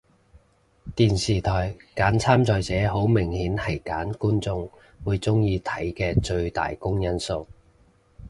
電視台揀參賽者好明顯係揀觀眾會鍾意睇嘅最大公因數